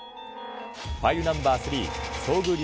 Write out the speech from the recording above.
ファイルナンバー３、遭遇率